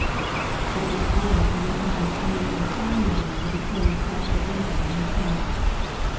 But it was worse when they happened to meet an Italian boy with a tray of plaster images on his head.